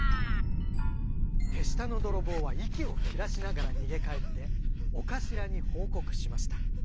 手下の泥棒は息を切らしながら逃げ帰ってお頭に報告しました。